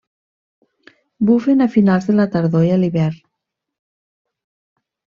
Bufen a finals de la tardor i a l'hivern.